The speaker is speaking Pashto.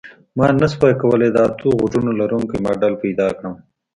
ما نشوای کولی د اتو غوږونو لرونکی ماډل پیدا کړم